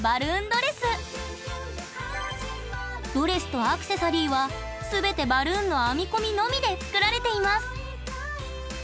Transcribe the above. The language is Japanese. ドレスとアクセサリーは全てバルーンの編み込みのみで作られています。